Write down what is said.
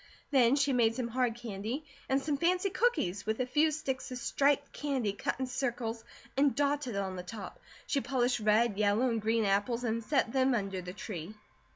Then she made some hard candy, and some fancy cookies with a few sticks of striped candy cut in circles and dotted on the top. She polished red, yellow, and green apples and set them under the tree.